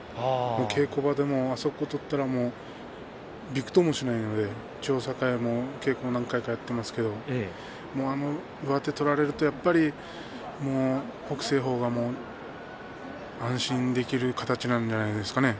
稽古場でも、あそこを取ったらびくともしないので千代栄も稽古は何回もやっていますけれどもあの上手を取られるとやっぱり北青鵬が安心できる形なんじゃないですかね。